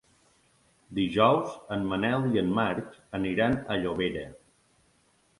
Dijous en Manel i en Marc aniran a Llobera.